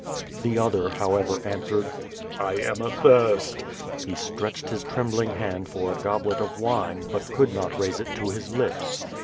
The other, however, answered: "I am athirst." He stretched his trembling hand for a goblet of wine, but could not raise it to his lips.